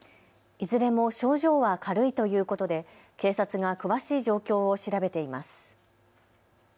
いずれも症状は軽いということで警察が詳しい状況を調べています。